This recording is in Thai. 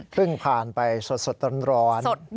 เพิ่งผ่านไปสดร้อน